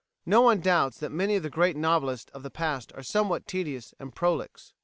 No one doubts that many of the great novelists of the past are somewhat tedious and prolix.